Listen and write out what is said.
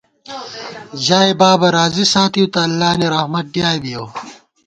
ژائےبابہ راضی ساتِؤ تہ اللہ نی رحمت ڈیائے بِیَؤ